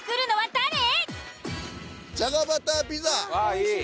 ・いい！